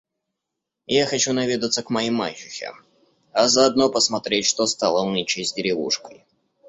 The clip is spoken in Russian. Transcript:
Я хочу наведаться к моей мачехе, а заодно посмотреть, что стало нынче с деревушкой.